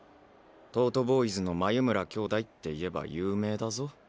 東斗ボーイズの眉村姉弟っていえば有名だぞ。